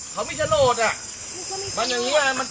เขาไม่ชะโหลดอ่ะ